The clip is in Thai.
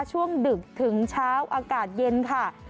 ดึกถึงเช้าอากาศเย็นค่ะ